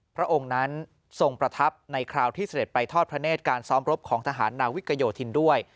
พระองค์นั้นทรงประทับในคราวที่เสด็จไปทอดพระเนธการซ้อมรบของทหารนาวิกโยธินด้วย